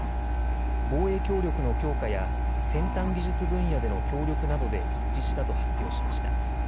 防衛協力の強化や先端技術分野での協力などで一致したと発表しました。